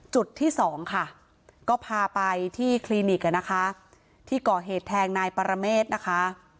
จุดที่สองค่ะก็พาไปที่คลินิกนะคะที่ก่อเหตุแทงนายปรเมฆนะคะ